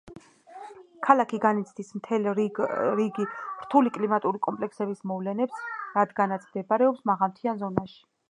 ქალაქი განიცდის მთელ რიგი რთული კლიმატური კომპლექსების მოვლენებს, რადგანაც მდებარეობს მაღალმთიან ზონაში.